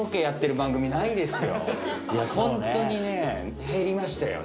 ホントにね減りましたよ